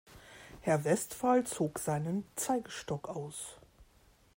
Herr Westphal zog seinen Zeigestock aus.